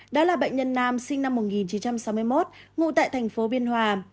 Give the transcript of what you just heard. đó là bệnh nhân nam sinh năm một nghìn chín trăm sáu mươi một ngụ tại thành phố biên hòa